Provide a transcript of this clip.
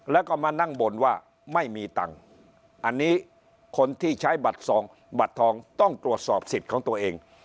แล้วก็มานั่งบ่นว่าไม่มีตังค์อันนี้คนที่ใช้บัตรสองบัตรทองต้องตรวจสอบสิทธิ์ของตัวเอง